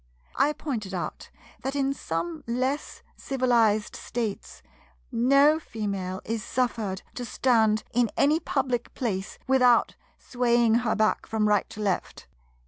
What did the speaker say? I pointed out that in some less civilized States no female is suffered to stand in any public place without swaying her back from right to left.